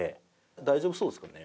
大丈夫そうですかね？